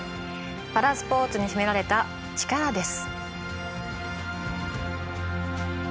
パラスポーツに秘められた力です。